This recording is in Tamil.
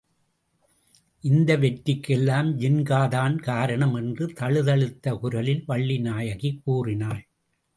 இந்த வெற்றிக்கெல்லாம் ஜின்காதான் காரணம் என்று தழுதழுத்த குரலில் வள்ளிநாயகி கூறினாள்.